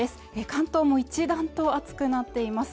関東も一段と暑くなっています